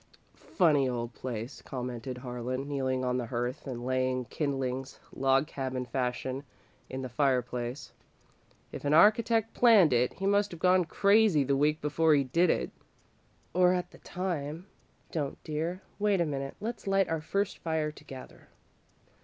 "Funny old place," commented Harlan, kneeling on the hearth and laying kindlings, log cabin fashion, in the fireplace. "If an architect planned it, he must have gone crazy the week before he did it." "Or at the time. Don't, dear wait a minute. Let's light our first fire together."